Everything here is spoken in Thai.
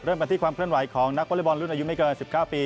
เริ่มเป็นที่จะลุยกันกับขวัญคเลิศจนแรกในเวลาที่ไม่เกิน๑๙ปี